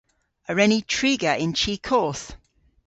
A wren ni triga yn chi koth?